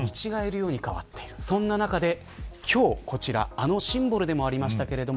そんな中で、今日こちらあのシンボルでもありましたけれども。